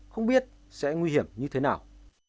không biết sẽ nguy hiểm như thế nào